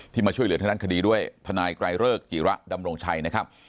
มาช่วยเหลือทางด้านคดีด้วยทนายไกรเริกจิระดำรงชัยนะครับ